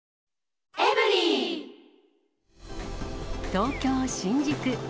東京・新宿。